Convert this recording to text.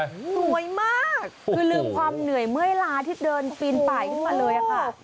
สวยมากคือลืมความเหนื่อยเมื่อยลาที่เดินปีนป่ายขึ้นมาเลยค่ะ